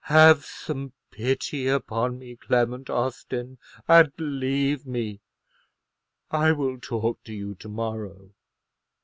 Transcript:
Have some pity upon me, Clement Austin, and leave me; I will talk to you to morrow."